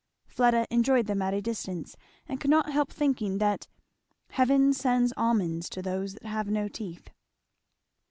Fleda enjoyed them at a distance and could not help thinking that "Heaven sends almonds to those that have no teeth."